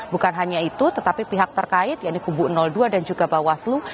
bukan hanya itu tetapi pihak terkait ya ini kubu dua dan juga bawah selu